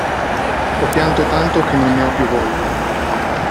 Ho pianto tanto che non ne ho più voglia.